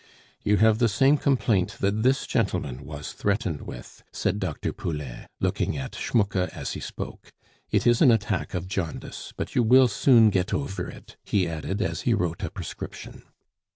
"You have the same complaint that this gentleman was threatened with," said Dr. Poulain, looking at Schmucke as he spoke; "it is an attack of jaundice, but you will soon get over it," he added, as he wrote a prescription.